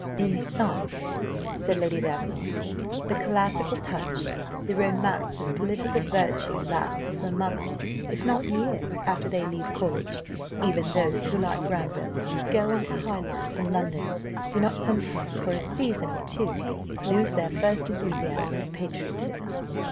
"In some," said Lady Davenant, "the classical touch, the romance of political virtue, lasts for months, if not years, after they leave college; even those who, like Granville, go into high life in London, do not sometimes, for a season or two, lose their first enthusiasm of patriotism."